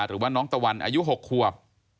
หรือว่าน้องตะวันอายุ๖ขวบ